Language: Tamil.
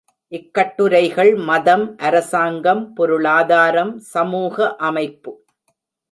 இக் கட்டுரைகள் மதம், அரசாங்கம், பொருளாதாரம், சமூக அமைப்பு.